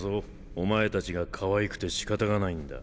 お前たちがかわいくてしかたがないんだ。